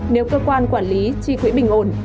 nếu cơ quan quản lý chi quỹ bình ổn